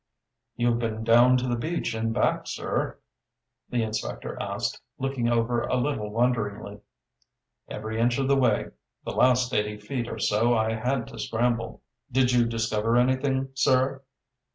"You've been down to the beach and back, sir?" the inspector asked, looking over a little wonderingly. "Every inch of the way. The last eighty feet or so I had to scramble." "Did you discover anything, sir?"